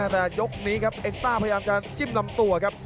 แต่ยกนี้ครับเอ็กต้าพยายามจะจิ้มลำตัวครับ